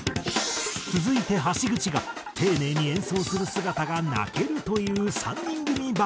続いて橋口が「丁寧に演奏する姿が泣ける」と言う３人組バンド。